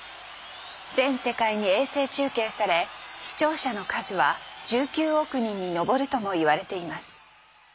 全世界に衛星中継され視聴者の数は１９億人に上るともいわれています。